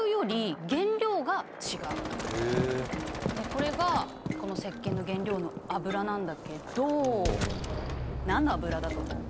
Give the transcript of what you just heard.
これがこのせっけんの原料の油なんだけど何の油だと思う？